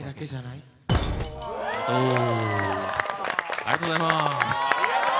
ありがとうございます。